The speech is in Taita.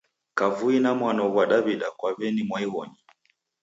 Kavui na mwano ghwa Daw'ida kwa w'eni mwaighonyi.